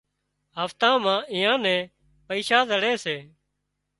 هفتا مان اييئان نين پئيشا زڙي سي